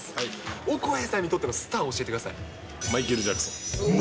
オコエさんにとってのスターを教マイケル・ジャクソン。